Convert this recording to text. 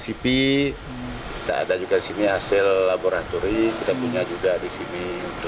kita punya cp kita ada juga hasil laboratori kita punya juga di sini